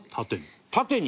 縦に？